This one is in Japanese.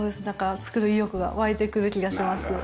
だから作る意欲が湧いてくる気がします。